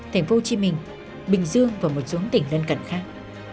tp hcm bình dương và một số tỉnh lân cận khác